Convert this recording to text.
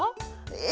え！